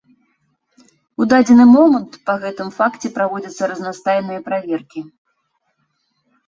У дадзены момант па гэтым факце праводзяцца разнастайныя праверкі.